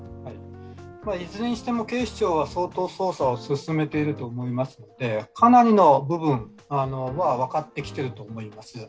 いずれにしても、警視庁は相当捜査を進めていると思いますので、かなりの部分は分かってきていると思います。